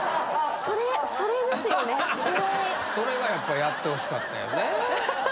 それがやっぱやってほしかったよね。